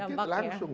dandain dikit langsung